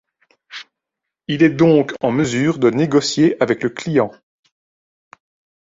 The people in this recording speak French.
Il est donc en mesure de négocier avec le client.